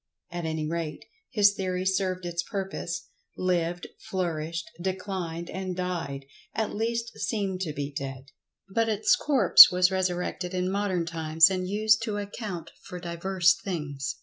At any rate, his theory served its purpose—lived, flourished, declined and died[Pg 98]—at least seemed to be dead. But its corpse was resurrected in modern times, and used to account for divers things.